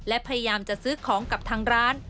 และพยายามจะซื้อของกับทางร้าน